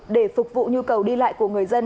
để phục vụ nhu cầu đi lại của người dân